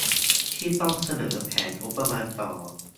ที่ต้องเสนอแผนงบประมาณต่อ